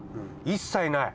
一切ない。